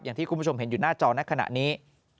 อย่างที่คุณผู้ชมเห็นอยู่หน้าจอในขณะนี้